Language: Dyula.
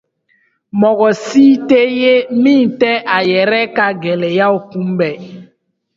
Mɔgɔ si tɛ yen min tɛ a yɛrɛ ka gɛlɛyaw kunbɛn.